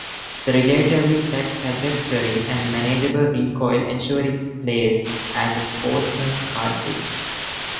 The relatively flat trajectory and manageable recoil ensured its place as a sportsman's cartridge.